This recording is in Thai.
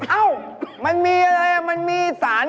เอ้ามันมีอะไรอ่ะมันมีสารอะไรนะ